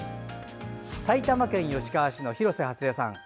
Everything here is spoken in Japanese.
埼玉県吉川市の廣瀬初枝さん。